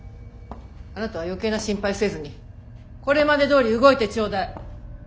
あなたは余計な心配せずにこれまでどおり動いてちょうだい。